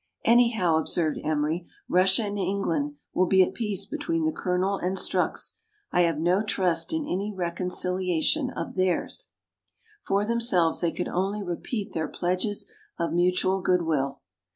" Anyhow," observed Emery, " Russia and England will be at peace before the Colonel and Strux ; I have no trust in any reconciliation of theirs. For themselves, they could only repeat their pledges of mutual good will.